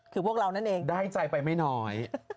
คือพวกเรานั่นเองได้ใจไปไม่น้อย